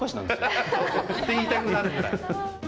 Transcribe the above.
そうそう。って言いたくなるぐらい。